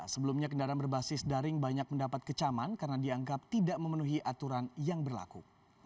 sebelumnya kendaraan berbasis daring banyak mendapat kecaman karena dianggap tidak memenuhi aturan yang berlaku